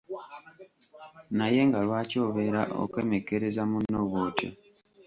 Naye nga lwaki obeera okemekkereza munno bw’otyo?